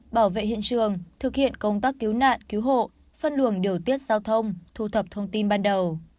bảo vệ hiện trường thực hiện công tác cứu nạn cứu hộ phân luồng điều tiết giao thông thu thập thông tin ban đầu